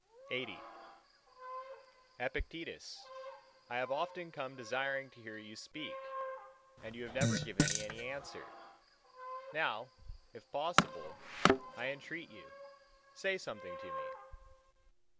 LXXXI "Epictetus, I have often come desiring to hear you speak, and you have never given me any answer; now if possible, I entreat you, say something to me."